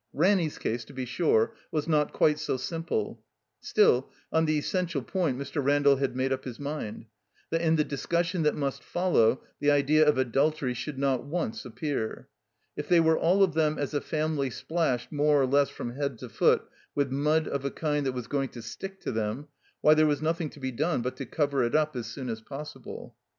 Ranny's case, to be stire, was not quite so simple; still, on the essential point Mr. Randall had made up his mind — that, in the discussion that must fol low, the idea of adultery should not once appear. If they were all of them as a family splashed more or less from head to foot with mud of a kind that was going to stick to them, why, there was nothing to be done but to cover it up as soon as possible.